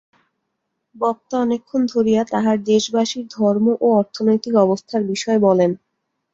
বক্তা অনেকক্ষণ ধরিয়া তাঁহার দেশবাসীর ধর্ম ও অর্থনৈতিক অবস্থার বিষয় বলেন।